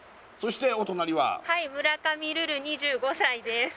はいはい村上瑠々２５歳です